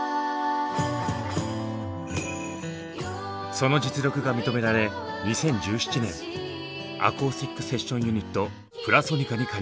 その実力が認められ２０１７年アコースティック・セッション・ユニット「ぷらそにか」に加入。